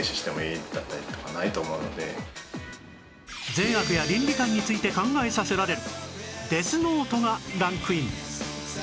善悪や倫理観について考えさせられる『ＤＥＡＴＨＮＯＴＥ』がランクイン